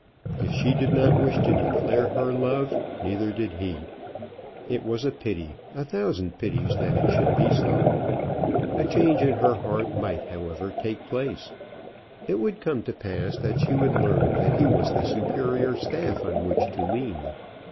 If she did not wish to declare her love, neither did he. It was a pity, a thousand pities, that it should be so. A change in her heart might, however, take place. It would come to pass that she would learn that he was the superior staff on which to lean.